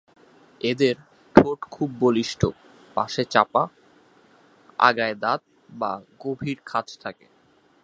এদের ঠোঁট খুব বলিষ্ঠ, পাশে চাপা, আগায় 'দাঁত' বা গভীর খাঁজ থাকে।